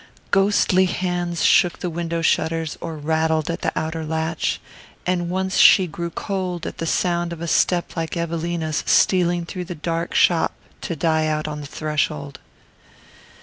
Ghostly hands shook the window shutters or rattled at the outer latch, and once she grew cold at the sound of a step like Evelina's stealing through the dark shop to die out on the threshold.